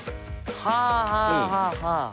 はあはあはあはあ。